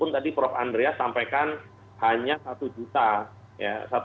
jadi prof andreas sampaikan hanya satu juta